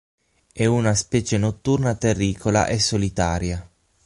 È una specie notturna, terricola e solitaria.